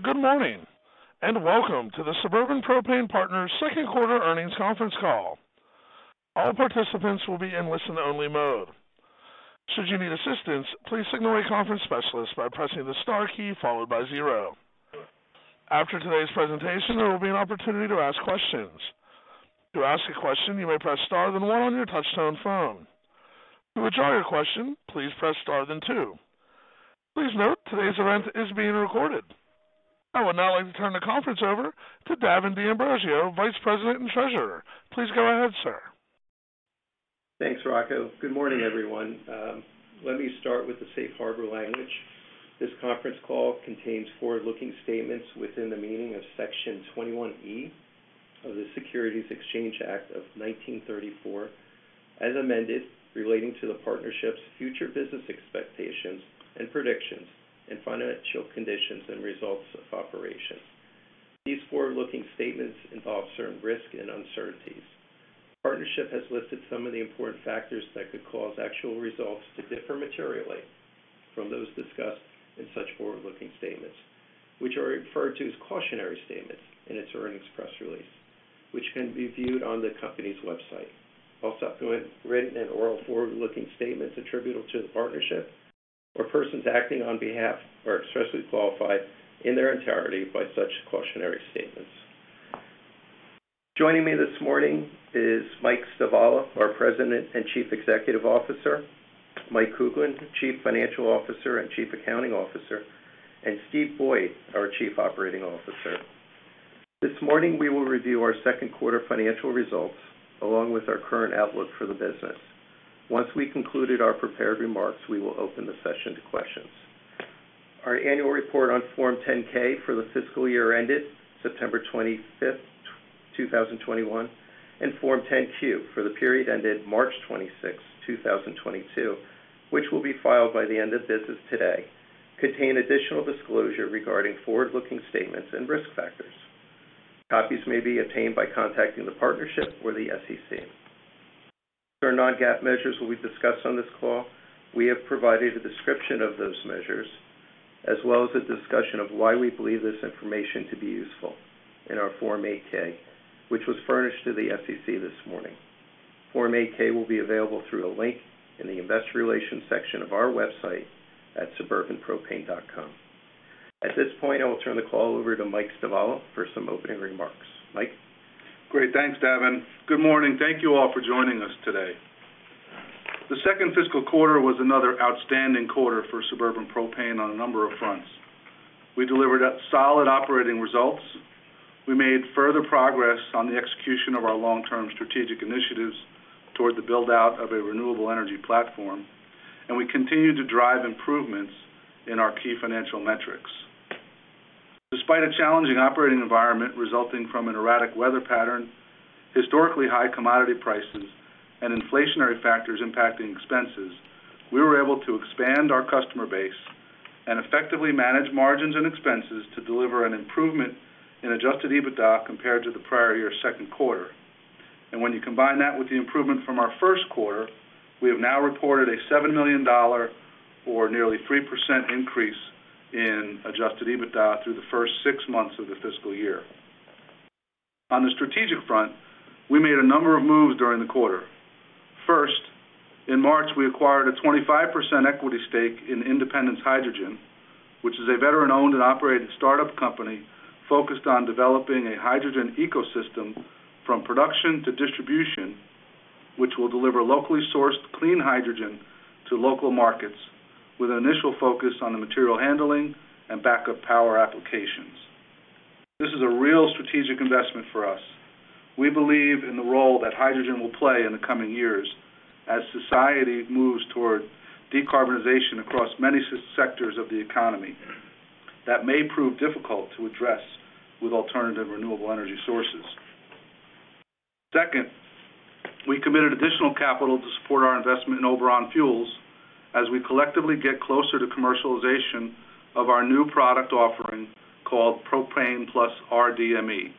Good morning, and Welcome to the Suburban Propane Partners second quarter earnings conference call. All participants will be in listen-only mode. Should you need assistance, please signal a conference specialist by pressing the star key followed by zero. After today's presentation, there will be an opportunity to ask questions. To ask a question, you may press star then one on your touchtone phone. To withdraw your question, please press star then two. Please note, today's event is being recorded. I would now like to turn the conference over to Davin D'Ambrosio, Vice President and Treasurer. Please go ahead, sir. Thanks, Rocco. Good morning, everyone. Let me start with the safe harbor language. This conference call contains forward-looking statements within the meaning of Section 21E of the Securities Exchange Act of 1934, as amended, relating to the partnership's future business expectations and predictions and financial conditions and results of operations. These forward-looking statements involve certain risks and uncertainties. The Partnership has listed some of the important factors that could cause actual results to differ materially from those discussed in such forward-looking statements, which are referred to as cautionary statements in its earnings press release, which can be viewed on the company's website. All subsequent written and oral forward-looking statements attributable to the partnership or persons acting on its behalf are expressly qualified in their entirety by such cautionary statements. Joining me this morning is Mike Stivala, our President and Chief Executive Officer, Mike Kuglin, Chief Financial Officer and Chief Accounting Officer, and Steve Boyd, our Chief Operating Officer. This morning, we will review our second quarter financial results along with our current outlook for the business. Once we concluded our prepared remarks, we will open the session to questions. Our annual report on Form 10-K for the fiscal year ended September 25th, 2021, and Form 10-Q for the period ended March 26, 2022, which will be filed by the end of business today, contain additional disclosure regarding forward-looking statements and risk factors. Copies may be obtained by contacting the partnership or the SEC. There are non-GAAP measures that we discussed on this call. We have provided a description of those measures, as well as a discussion of why we believe this information to be useful in our Form 8-K, which was furnished to the SEC this morning. Form 8-K will be available through a link in the investor relations section of our website at suburbanpropane.com. At this point, I will turn the call over to Mike Stivala for some opening remarks. Mike? Great. Thanks, Davin. Good morning. Thank you all for joining us today. The second fiscal quarter was another outstanding quarter for Suburban Propane on a number of fronts. We delivered up solid operating results, we made further progress on the execution of our long-term strategic initiatives toward the build-out of a renewable energy platform, and we continued to drive improvements in our key financial metrics. Despite a challenging operating environment resulting from an erratic weather pattern, historically high commodity prices and inflationary factors impacting expenses, we were able to expand our customer base and effectively manage margins and expenses to deliver an improvement in adjusted EBITDA compared to the prior year's second quarter. When you combine that with the improvement from our first quarter, we have now reported a $7 million or nearly 3% increase in adjusted EBITDA through the first six months of the fiscal year. On the strategic front, we made a number of moves during the quarter. First, in March, we acquired a 25% equity stake in Independence Hydrogen, which is a veteran-owned and operated startup company focused on developing a hydrogen ecosystem from production to distribution, which will deliver locally sourced clean hydrogen to local markets with an initial focus on the material handling and backup power applications. This is a real strategic investment for us. We believe in the role that hydrogen will play in the coming years as society moves toward decarbonization across many sectors of the economy that may prove difficult to address with alternative renewable energy sources. Second, we committed additional capital to support our investment in Oberon Fuels as we collectively get closer to commercialization of our new product offering called Propane + rDME.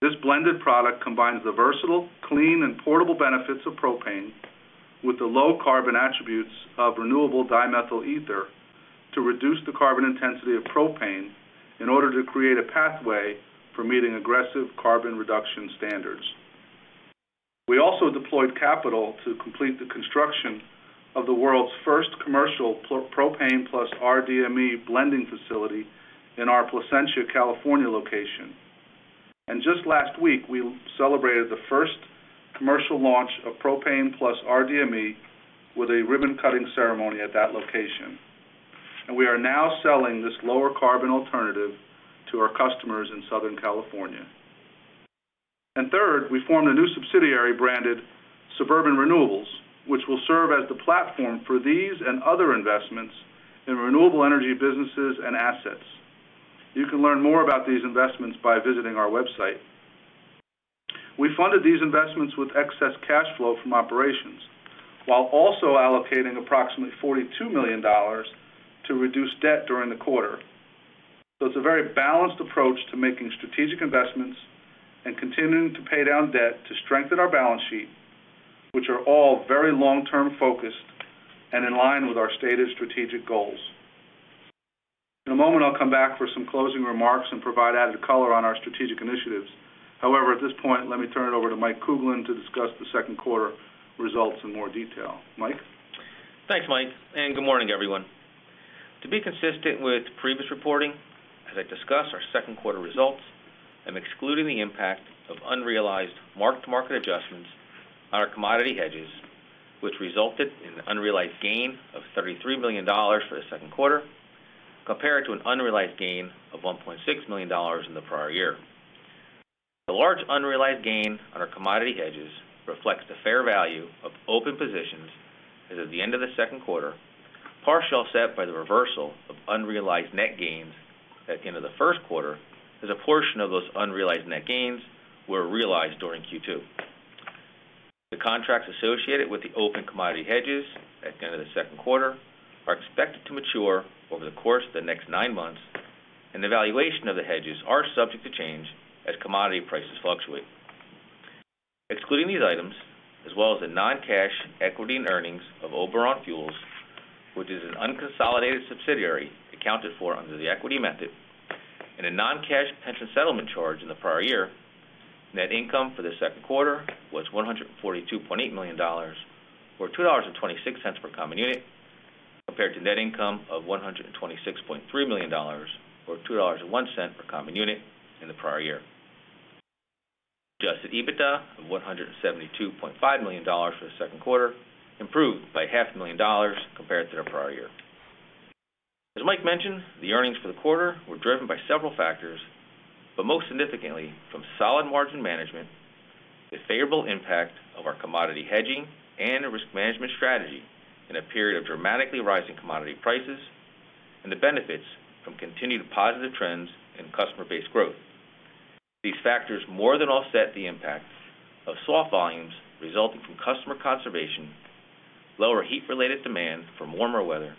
This blended product combines the versatile, clean and portable benefits of propane with the low carbon attributes of renewable dimethyl ether to reduce the carbon intensity of propane in order to create a pathway for meeting aggressive carbon reduction standards. We also deployed capital to complete the construction of the world's first commercial Propane + rDME blending facility in our Placentia, California location. Just last week, we celebrated the first commercial launch of Propane + rDME with a ribbon-cutting ceremony at that location. We are now selling this lower carbon alternative to our customers in Southern California. Third, we formed a new subsidiary branded Suburban Renewables, which will serve as the platform for these and other investments in renewable energy businesses and assets. You can learn more about these investments by visiting our website. We funded these investments with excess cash flow from operations, while also allocating approximately $42 million to reduce debt during the quarter. It's a very balanced approach to making strategic investments and continuing to pay down debt to strengthen our balance sheet, which are all very long-term focused and in line with our stated strategic goals. In a moment, I'll come back for some closing remarks and provide added color on our strategic initiatives. However, at this point, let me turn it over to Mike Kuglin to discuss the second quarter results in more detail. Mike? Thanks, Mike, and good morning everyone. To be consistent with previous reporting, as I discuss our second quarter results, I'm excluding the impact of unrealized mark-to-market adjustments on our commodity hedges, which resulted in an unrealized gain of $33 million for the second quarter, compared to an unrealized gain of $1.6 million in the prior year. The large unrealized gain on our commodity hedges reflects the fair value of open positions as of the end of the second quarter, partially offset by the reversal of unrealized net gains at the end of the first quarter as a portion of those unrealized net gains were realized during Q2. The contracts associated with the open commodity hedges at the end of the second quarter are expected to mature over the course of the next nine months, and the valuation of the hedges are subject to change as commodity prices fluctuate. Excluding these items, as well as the non-cash equity and earnings of Oberon Fuels, which is an unconsolidated subsidiary accounted for under the equity method, and a non-cash pension settlement charge in the prior year, net income for the second quarter was $142.8 million, or $2.26 per common unit, compared to net income of $126.3 million, or $2.01 per common unit in the prior year. Adjusted EBITDA of $172.5 million for the second quarter improved by half a million dollars compared to the prior year. Mike mentioned, the earnings for the quarter were driven by several factors, but most significantly from solid margin management, the favorable impact of our commodity hedging and risk management strategy in a period of dramatically rising commodity prices, and the benefits from continued positive trends in customer-based growth. These factors more than offset the impact of soft volumes resulting from customer conservation, lower heat-related demand from warmer weather,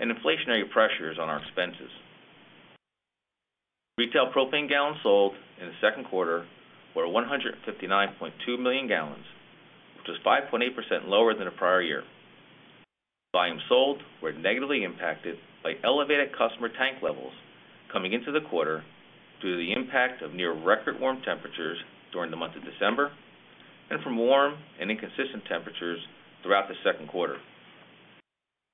and inflationary pressures on our expenses. Retail propane gallons sold in the second quarter were $159.2 million gallons, which was 5.8% lower than the prior year. Volumes sold were negatively impacted by elevated customer tank levels coming into the quarter due to the impact of near record warm temperatures during the month of December and from warm and inconsistent temperatures throughout the second quarter.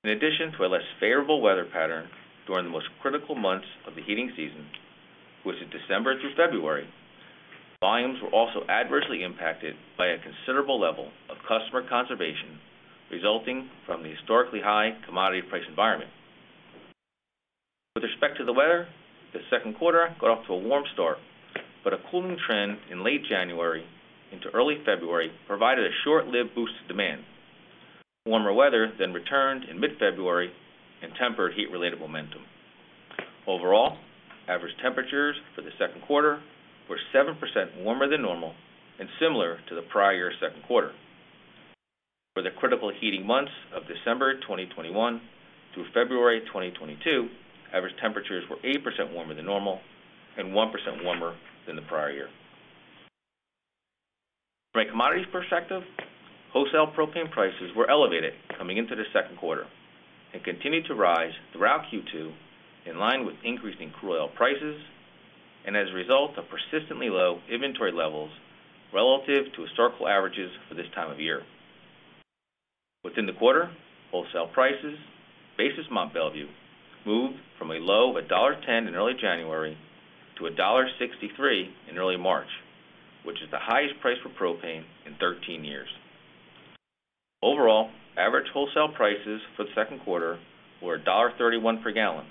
In addition to a less favorable weather pattern during the most critical months of the heating season, which is December through February, volumes were also adversely impacted by a considerable level of customer conservation resulting from the historically high commodity price environment. With respect to the weather, the second quarter got off to a warm start, but a cooling trend in late January into early February provided a short-lived boost to demand. Warmer weather then returned in mid-February and tempered heat-related momentum. Overall, average temperatures for the second quarter were 7% warmer than normal and similar to the prior second quarter. For the critical heating months of December 2021 through February 2022, average temperatures were 8% warmer than normal and 1% warmer than the prior year. From a commodities perspective, wholesale propane prices were elevated coming into the second quarter and continued to rise throughout Q2 in line with increasing crude oil prices and as a result of persistently low inventory levels relative to historical averages for this time of year. Within the quarter, wholesale prices, basis Mont Belvieu, moved from a low of $1.10 in early January to $1.63 in early March, which is the highest price for propane in 13 years. Overall, average wholesale prices for the second quarter were $1.31 per gallon,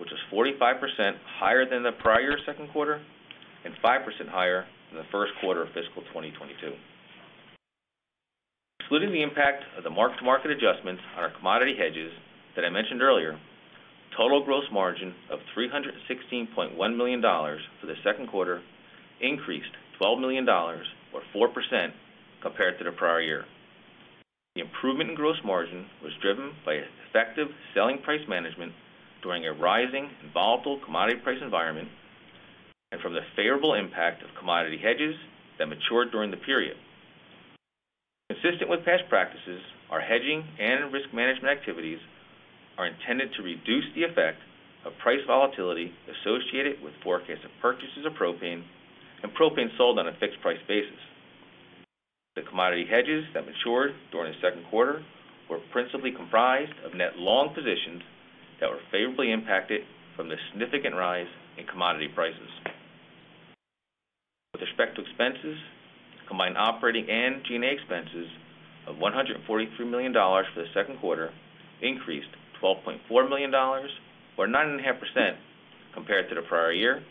which is 45% higher than the prior second quarter and 5% higher than the first quarter of fiscal 2022. Excluding the impact of the mark-to-market adjustments on our commodity hedges that I mentioned earlier, total gross margin of $316.1 million for the second quarter increased $12 million or 4% compared to the prior year. The improvement in gross margin was driven by effective selling price management during a rising and volatile commodity price environment and from the favorable impact of commodity hedges that matured during the period. Consistent with past practices, our hedging and risk management activities are intended to reduce the effect of price volatility associated with forecast and purchases of propane and propane sold on a fixed price basis. The commodity hedges that matured during the second quarter were principally comprised of net long positions that were favorably impacted from the significant rise in commodity prices. With respect to expenses, combined operating and G&A expenses of $143 million for the second quarter increased $12.4 million or 9.5% compared to the prior year,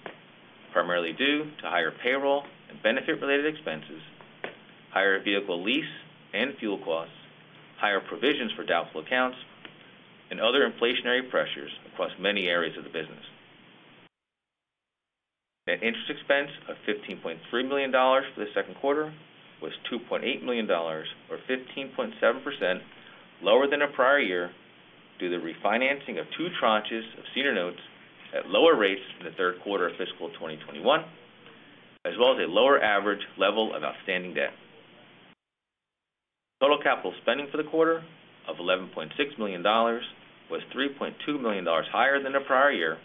primarily due to higher payroll and benefit-related expenses, higher vehicle lease and fuel costs, higher provisions for doubtful accounts, and other inflationary pressures across many areas of the business. Net interest expense of $15.3 million for the second quarter was $2.8 million or 15.7% lower than the prior year. Due to the refinancing of two tranches of senior notes at lower rates in the third quarter of fiscal 2021, as well as a lower average level of outstanding debt. Total capital spending for the quarter of $11.6 million was $3.2 million higher than the prior year,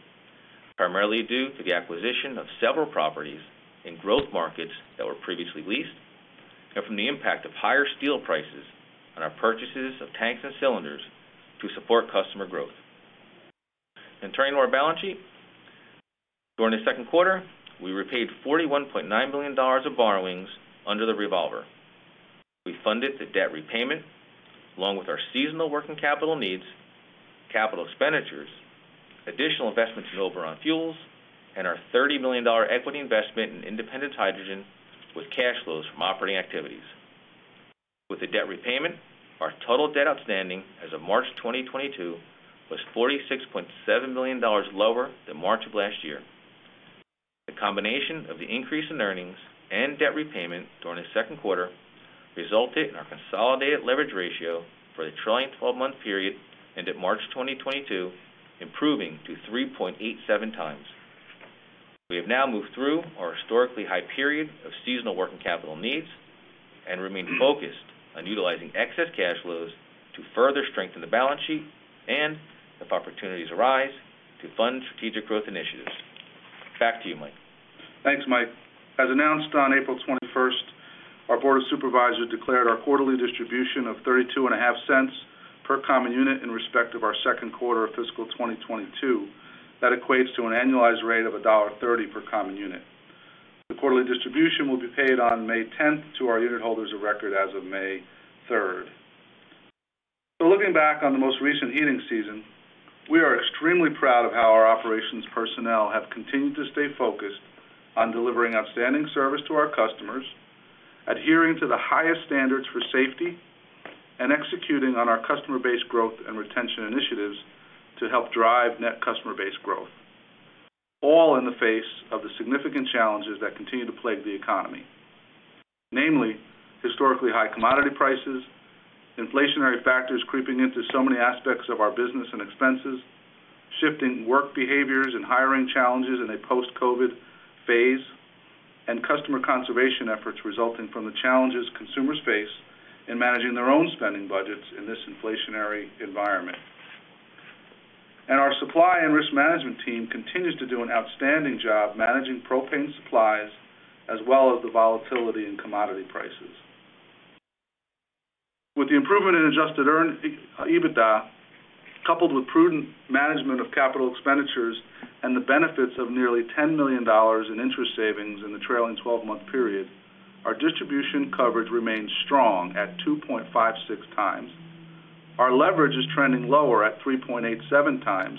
primarily due to the acquisition of several properties in growth markets that were previously leased and from the impact of higher steel prices on our purchases of tanks and cylinders to support customer growth. Turning to our balance sheet. During the second quarter, we repaid $41.9 million of borrowings under the revolver. We funded the debt repayment along with our seasonal working capital needs, capital expenditures, additional investments in Oberon Fuels, and our $30 million equity investment in Independence Hydrogen with cash flows from operating activities. With the debt repayment, our total debt outstanding as of March 2022 was $46.7 million lower than March of last year. The combination of the increase in earnings and debt repayment during the second quarter resulted in our consolidated leverage ratio for the trailing 12-month period ended March 2022, improving to 3.87x. We have now moved through our historically high period of seasonal working capital needs and remain focused on utilizing excess cash flows to further strengthen the balance sheet and if opportunities arise, to fund strategic growth initiatives. Back to you, Mike. Thanks, Mike. As announced on April 21st, 2022 our Board of Supervisors declared our quarterly distribution of 32 and a half cents per common unit in respect of our second quarter of fiscal 2022. That equates to an annualized rate of $1.30 per common unit. The quarterly distribution will be paid on May 10th, 2022, to our unit holders of record as of May 3rd, 2022. Looking back on the most recent heating season, we are extremely proud of how our operations personnel have continued to stay focused on delivering outstanding service to our customers, adhering to the highest standards for safety, and executing on our customer base growth and retention initiatives to help drive net customer base growth, all in the face of the significant challenges that continue to plague the economy, namely historically high commodity prices, inflationary factors creeping into so many aspects of our business and expenses, shifting work behaviors and hiring challenges in a post-COVID phase, and customer conservation efforts resulting from the challenges consumers face in managing their own spending budgets in this inflationary environment. Our supply and risk management team continues to do an outstanding job managing propane supplies as well as the volatility in commodity prices. With the improvement in adjusted EBITDA, coupled with prudent management of capital expenditures and the benefits of nearly $10 million in interest savings in the trailing twelve-month period, our distribution coverage remains strong at 2.56x. Our leverage is trending lower at 3.87x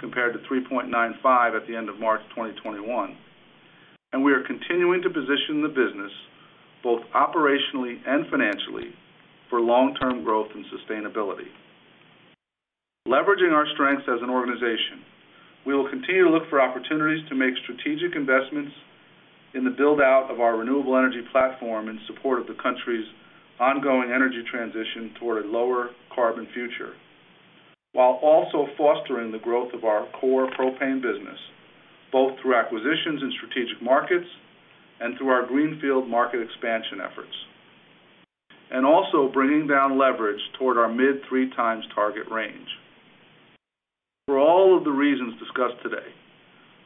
compared to 3.95x at the end of March 2021. We are continuing to position the business both operationally and financially for long-term growth and sustainability. Leveraging our strengths as an organization, we will continue to look for opportunities to make strategic investments in the build-out of our renewable energy platform in support of the country's ongoing energy transition toward a lower carbon future, while also fostering the growth of our core propane business, both through acquisitions in strategic markets and through our greenfield market expansion efforts, and also bringing down leverage toward our mid three times target range. For all of the reasons discussed today,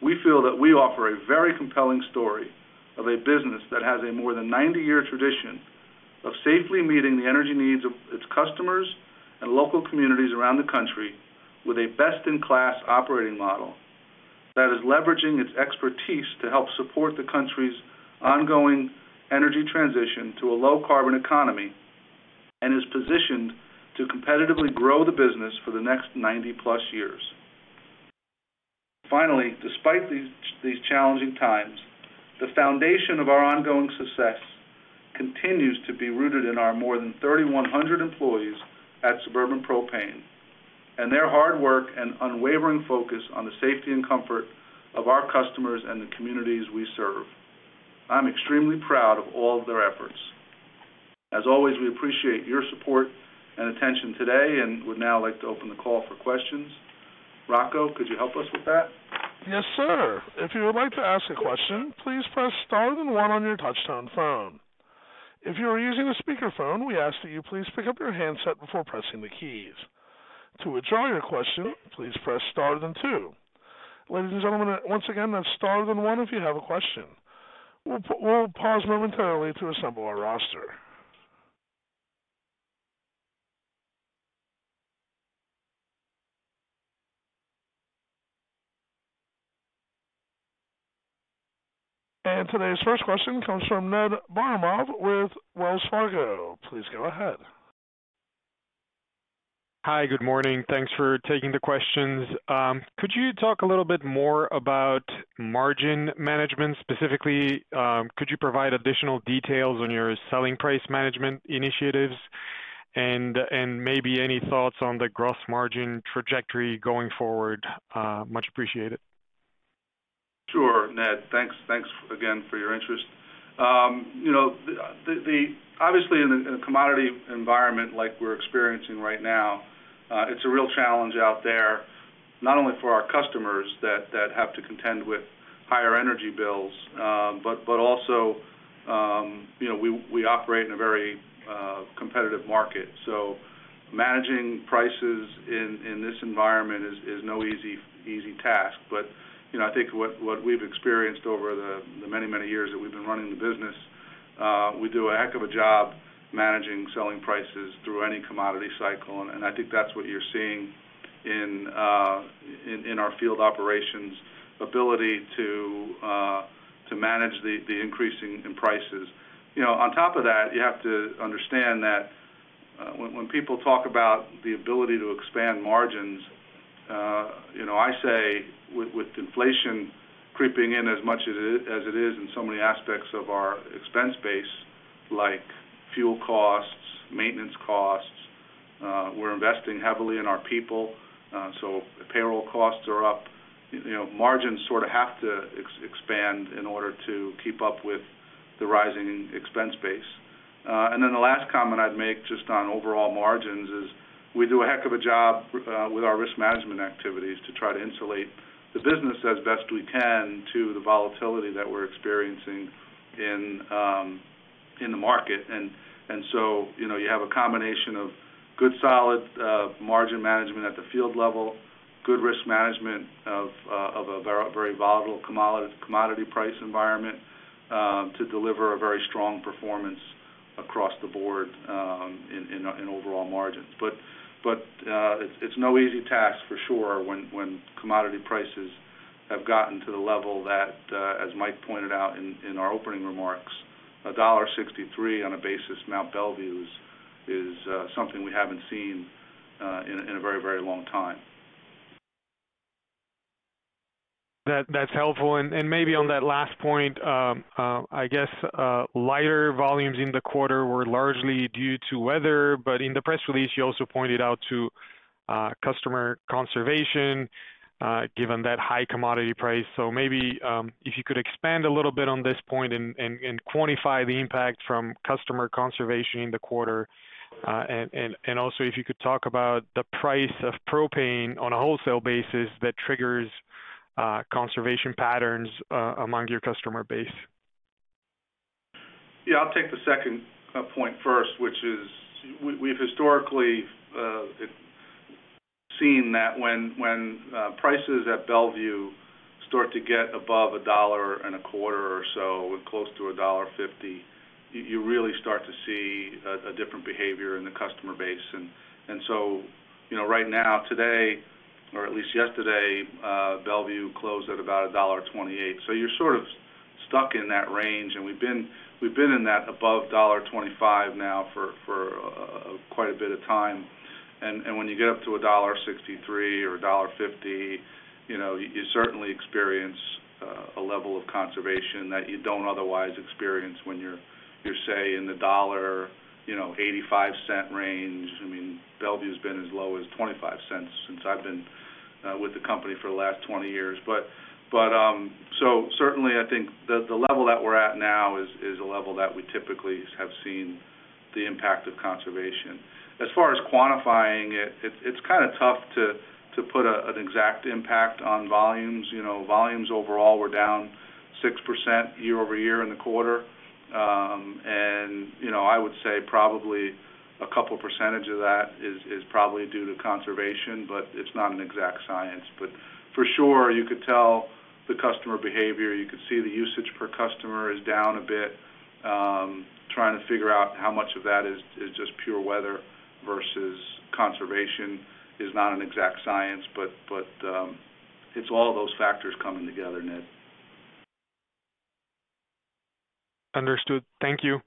we feel that we offer a very compelling story of a business that has a more than ninety-year tradition of safely meeting the energy needs of its customers and local communities around the country with a best-in-class operating model that is leveraging its expertise to help support the country's ongoing energy transition to a low carbon economy and is positioned to competitively grow the business for the next 90+ years. Finally, despite these challenging times, the foundation of our ongoing success continues to be rooted in our more than 3,100 employees at Suburban Propane and their hard work and unwavering focus on the safety and comfort of our customers and the communities we serve. I'm extremely proud of all of their efforts. As always, we appreciate your support and attention today and would now like to open the call for questions. Rocco, could you help us with that? Yes, sir. If you would like to ask a question, please press star then one on your touch-tone phone. If you are using a speakerphone, we ask that you please pick up your handset before pressing the keys. To withdraw your question, please press star then two. Ladies and gentlemen, once again, that's star then one if you have a question. We'll pause momentarily to assemble our roster. Today's first question comes from Ned Baramov with Wells Fargo. Please go ahead. Hi. Good morning. Thanks for taking the questions. Could you talk a little bit more about margin management? Specifically, could you provide additional details on your selling price management initiatives and maybe any thoughts on the gross margin trajectory going forward? Much appreciated. Sure, Ned. Thanks again for your interest. You know, obviously, in a commodity environment like we're experiencing right now, it's a real challenge out there, not only for our customers that have to contend with higher energy bills, but also, you know, we operate in a very competitive market. So managing prices in this environment is no easy task. You know, I think what we've experienced over the many years that we've been running the business, we do a heck of a job managing selling prices through any commodity cycle. I think that's what you're seeing in our field operations ability to manage the increase in prices. You know, on top of that, you have to understand that when people talk about the ability to expand margins, you know, I say with inflation creeping in as much as it is in so many aspects of our expense base, like fuel costs, maintenance costs, we're investing heavily in our people, so payroll costs are up. You know, margins sort of have to expand in order to keep up with the rising expense base. Then the last comment I'd make just on overall margins is we do a heck of a job with our risk management activities to try to insulate the business as best we can to the volatility that we're experiencing in the market. You know, you have a combination of good solid margin management at the field level, good risk management of a very volatile commodity price environment to deliver a very strong performance across the board in overall margins. It's no easy task for sure when commodity prices have gotten to the level that as Mike pointed out in our opening remarks, $1.63 on a basis Mont Belvieu is something we haven't seen in a very long time. That's helpful. Maybe on that last point, I guess, lighter volumes in the quarter were largely due to weather. In the press release, you also pointed out to customer conservation given that high commodity price. Maybe if you could expand a little bit on this point and quantify the impact from customer conservation in the quarter. Also if you could talk about the price of propane on a wholesale basis that triggers conservation patterns among your customer base. Yeah, I'll take the second point first, which is we've historically seen that when prices at Mont Belvieu start to get above $1.25 or so, and close to $1.50, you really start to see a different behavior in the customer base. You know, right now, today or at least yesterday, Mont Belvieu closed at about $1.28. So you're sort of stuck in that range. We've been in that above $1.25 now for quite a bit of time. When you get up to $1.63 or $1.50, you know, you certainly experience a level of conservation that you don't otherwise experience when you're say in the $0.85 range. I mean, Mont Belvieu's been as low as $0.25 since I've been with the company for the last 20 years. Certainly I think the level that we're at now is a level that we typically have seen the impact of conservation. As far as quantifying it's kind of tough to put an exact impact on volumes. You know, volumes overall were down 6% year-over-year in the quarter. You know, I would say probably a couple percent of that is probably due to conservation, but it's not an exact science. For sure, you could tell the customer behavior, you could see the usage per customer is down a bit. Trying to figure out how much of that is just pure weather versus conservation is not an exact science. It's all of those factors coming together, Ned. Understood. Thank you.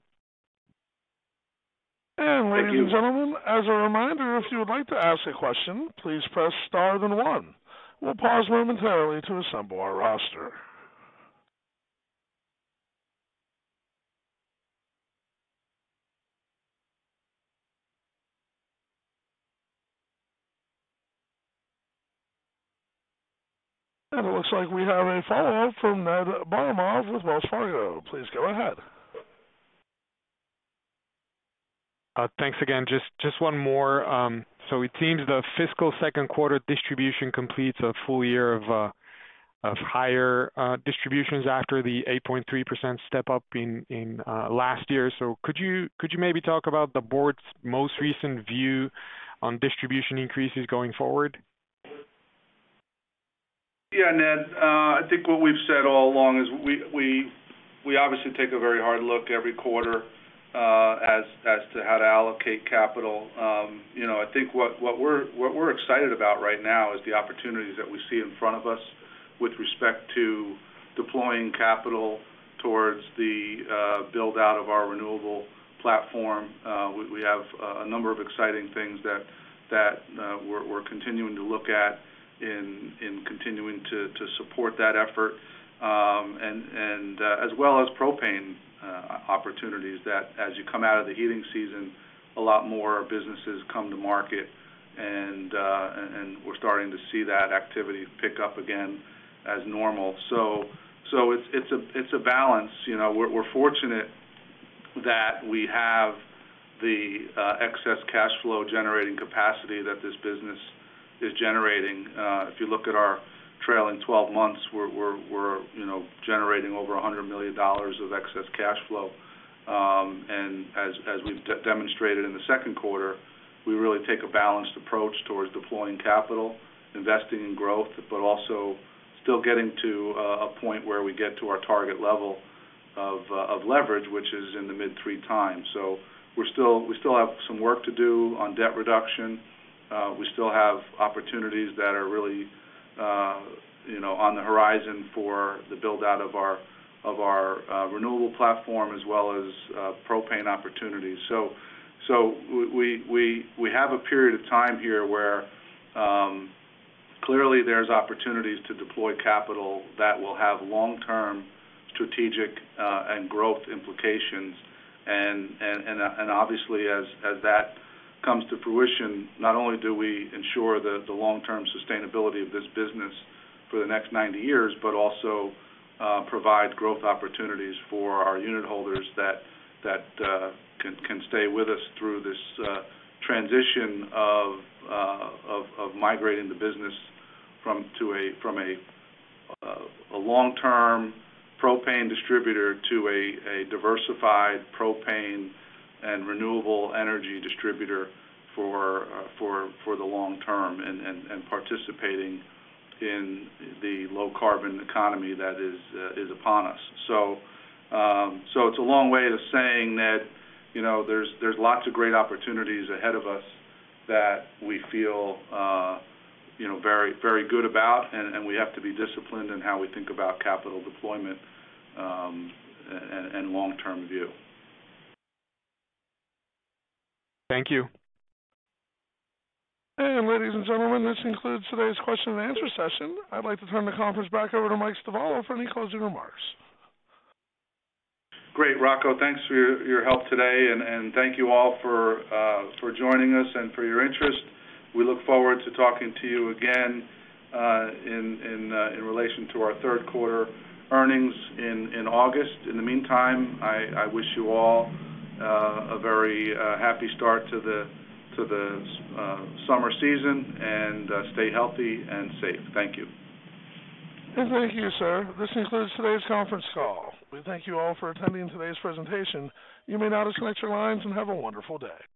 Ladies and gentlemen, as a reminder, if you would like to ask a question, please press star then one. We'll pause momentarily to assemble our roster. It looks like we have a follow-up from Ned Baramov of Wells Fargo. Please go ahead. Thanks again. Just one more. It seems the fiscal second quarter distribution completes a full year of higher distributions after the 8.3% step-up in last year. Could you maybe talk about the board's most recent view on distribution increases going forward? Yeah, Ned. I think what we've said all along is we obviously take a very hard look every quarter as to how to allocate capital. You know, I think what we're excited about right now is the opportunities that we see in front of us with respect to deploying capital towards the build-out of our renewable platform. We have a number of exciting things that we're continuing to look at in continuing to support that effort. As well as propane opportunities that as you come out of the heating season, a lot more businesses come to market. We're starting to see that activity pick up again as normal. It's a balance. You know, we're fortunate that we have the excess cash flow generating capacity that this business is generating. If you look at our trailing twelve months, we're, you know, generating over $100 million of excess cash flow. As we've demonstrated in the second quarter, we really take a balanced approach towards deploying capital, investing in growth, but also still getting to a point where we get to our target level of leverage, which is in the mid 3x we're still. We still have some work to do on debt reduction. We still have opportunities that are really, you know, on the horizon for the build-out of our renewable platform as well as propane opportunities. We have a period of time here where clearly there's opportunities to deploy capital that will have long-term strategic and growth implications. Obviously, as that comes to fruition, not only do we ensure the long-term sustainability of this business for the next 90 years, but also provide growth opportunities for our unitholders that can stay with us through this transition of migrating the business from a long-term propane distributor to a diversified propane and renewable energy distributor for the long term, and participating in the low-carbon economy that is upon us. It's a long way of saying that, you know, there's lots of great opportunities ahead of us that we feel, you know, very, very good about, and we have to be disciplined in how we think about capital deployment, and long-term view. Thank you. Ladies and gentlemen, this concludes today's question and answer session. I'd like to turn the conference back over to Mike Stivala for any closing remarks. Great. Rocco, thanks for your help today, and thank you all for joining us and for your interest. We look forward to talking to you again in relation to our third-quarter earnings in August. In the meantime, I wish you all a very happy start to the summer season, and stay healthy and safe. Thank you. Thank you, sir. This concludes today's conference call. We thank you all for attending today's presentation. You may now disconnect your lines, and have a wonderful day.